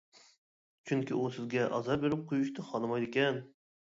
چۈنكى ئۇ سىزگە ئازار بېرىپ قۇيۇشنى خالىمايدىكەن.